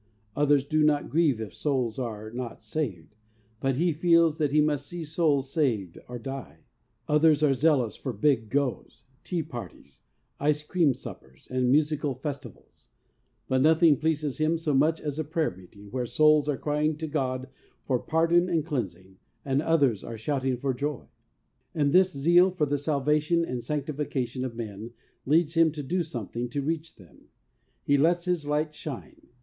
Others do not grieve if souls are not saved, but he feels that he must see souls saved, or die. Others are zealous for ' big goes,' tea parties, ice cream suppers, and musical festivals, but nothing pleases him so much as a Prayer Meeting where souls are crying to God for pardon and cleansing, and others are shouting for joy. 68 THE WAY OF HOLINESS And this zeal for the Salvation and Sancti fication of men leads him to do something to reach them. He lets his light shine.